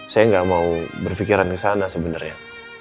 saya nggak mau berpikiran ke sana sebenarnya